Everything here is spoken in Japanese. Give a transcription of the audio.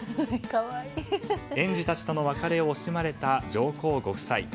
園児たちとの別れを惜しまれた上皇ご夫妻。